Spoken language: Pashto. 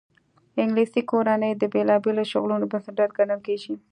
انګلیسي کورنۍ د بېلابېلو شغلونو بنسټګر ګڼل کېږي.